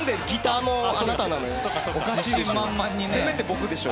せめて僕でしょ。